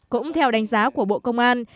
cũng theo đánh giá của bộ công an